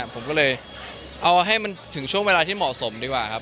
ผมก็เลยเอาให้มันถึงช่วงเวลาที่เหมาะสมดีกว่าครับ